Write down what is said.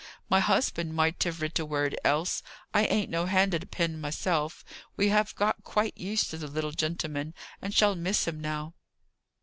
My husband might have writ a word else; I ain't no hand at a pen myself. We have got quite used to the little gentleman, and shall miss him now."